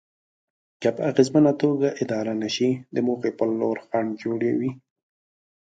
که په اغېزمنه توګه اداره نشي د موخې په لور خنډ جوړوي.